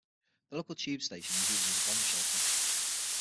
The local tube station was used as a bomb shelter.